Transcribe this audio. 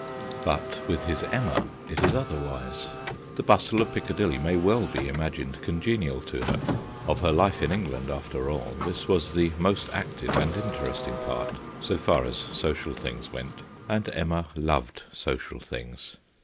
But with his Emma it is otherwise. The bustle of Piccadilly may well be imagined congenial to her. Of her life in England, after all, this was the most active and interesting part, so far as social things went, and Emma loved social things.